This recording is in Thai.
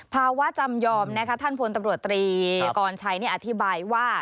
จำยอมท่านพลตำรวจตรีกรชัยอธิบายว่า